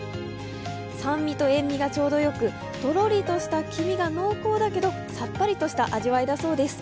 酸味と塩みがちょうどよく、とろりとした黄身が濃厚だけど、さっぱりとした味わいだそうです。